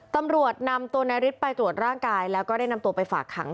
ตำรวจนำตัวนายฤทธิ์ไปตรวจร่างกายแล้วก็ได้นำตัวไปฝากขัง